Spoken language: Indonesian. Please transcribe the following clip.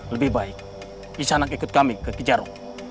lebih baik kisanak ikut kami ke tijaro